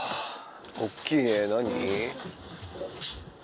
大っきいね何？